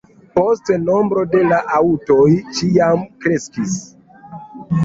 Poste nombro de la aŭtoj ĉiam kreskis.